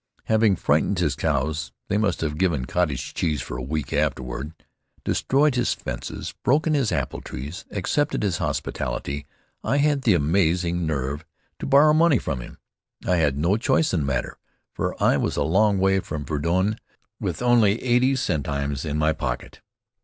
Having frightened his cows, they must have given cottage cheese for a week afterward, destroyed his fences, broken his apple trees, accepted his hospitality, I had the amazing nerve to borrow money from him. I had no choice in the matter, for I was a long way from Verdun, with only eighty centimes in my pocket.